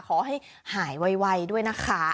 ขอให้หายไวด้วยนะคะ